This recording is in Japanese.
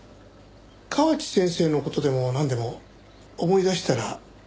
河内先生の事でもなんでも思い出したら教えてくださいね。